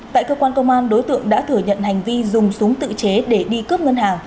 tại cơ quan công an đối tượng đã thừa nhận hành vi dùng súng tự chế để đi cướp ngân hàng